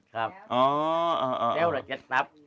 แถวแหละ๗ตับ